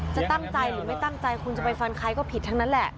จะตั้งใจหรือไม่ตั้งใจคุณจะไปฟันใครก็ผิดทั้งนั้นแหละ